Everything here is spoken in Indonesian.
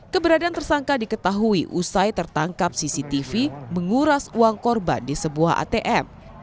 keberadaan tersangka diketahui usai tertangkap cctv menguras uang korban di sebuah atm